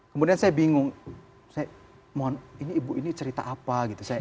kemudian saya bingung ini ibu cerita apa